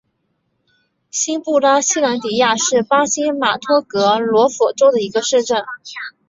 新布拉西兰迪亚是巴西马托格罗索州的一个市镇。